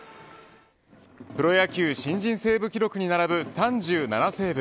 プロ野球新人セーブ記録に並ぶ３７セーブ